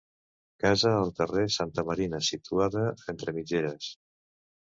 Casa al carrer Santa Marina, situada entre mitgeres.